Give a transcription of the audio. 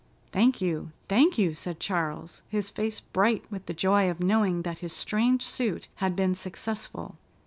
"Thank you, thank you!" said Charles, his face bright with the joy of knowing that his strange suit had been successful.